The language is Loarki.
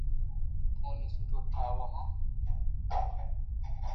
اونو سٺو ٺراوُ ھون